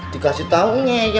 dikasih tau ngeyelokarap